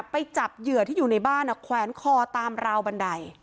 ไปจับเหยื่อที่อยู่ในบ้านแขวนคอตามราวบันได